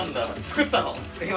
作ったの？